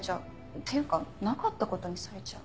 っていうかなかった事にされちゃう。